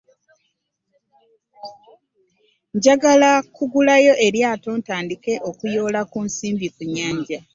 Njagala kugulayo eryato ntandike okuyoola ku nsimbi ku nnyanja.